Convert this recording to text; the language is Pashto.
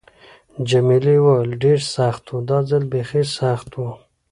جميلې وويل:: ډېر سخت و، دا ځل بیخي سخت و.